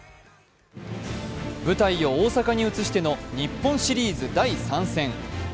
舞台を大阪に移しての日本シリーズ第３戦。